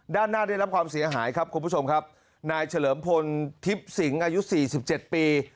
ด้านหน้าได้รับความเสียหายครับคุณผู้ชมครับนายเฉลิมพลทิพย์สิงอายุสี่สิบเจ็ดปี